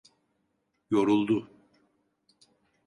Yoruldu…